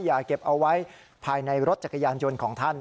อย่าเก็บเอาไว้ภายในรถจักรยานยนต์ของท่าน